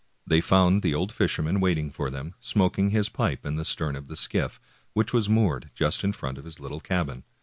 They found the old fisherman waiting for them, smoking his pipe in the stern of the skiff, which was moored just in front of his little cabin.